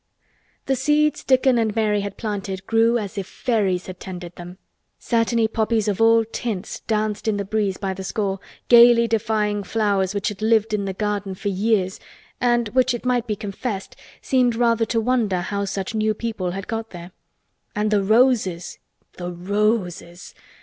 The seeds Dickon and Mary had planted grew as if fairies had tended them. Satiny poppies of all tints danced in the breeze by the score, gaily defying flowers which had lived in the garden for years and which it might be confessed seemed rather to wonder how such new people had got there. And the roses—the roses!